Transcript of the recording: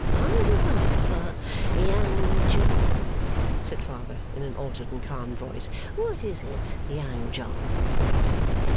'Ah, Young John!' said the Father, in an altered and calmed voice. 'What is it, Young John?